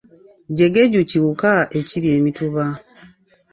Jjegeju kiwuka ekirya emituba.